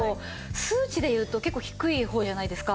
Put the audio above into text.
数値で言うと結構低い方じゃないですか。